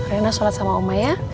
rena sholat sama oma ya